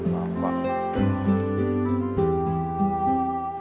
lo kemana rin